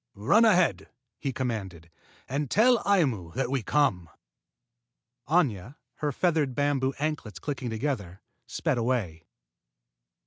"Run ahead," he commanded, "and tell Aimu that we come." Aña, her feathered bamboo anklets clicking together, sped away.